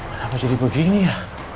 kenapa jadi begini ya